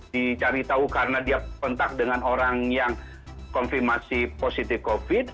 dicari tahu karena dia kontak dengan orang yang konfirmasi positif covid